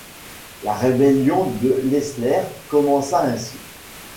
La Rébellion de Leisler commença ainsi.